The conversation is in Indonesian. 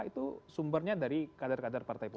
itu sumbernya dari kader kader partai politik